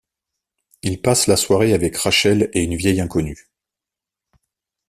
Il passe la soirée avec Rachel et une vieille inconnue.